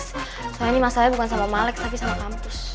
soalnya ini masalahnya bukan sama alex tapi sama kampus